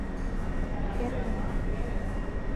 — Эргымым!